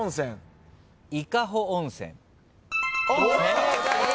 正解です。